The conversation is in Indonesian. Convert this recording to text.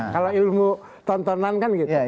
kalau ilmu tontonan kan gitu